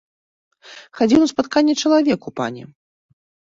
Хадзіў на спатканне чалавеку, пане.